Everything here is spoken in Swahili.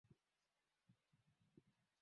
lazima uratibu hati zako zote kwa ukamilifu